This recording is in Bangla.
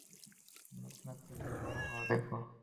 নাতি-নাতনীদের বড় হওয়া দেখবো।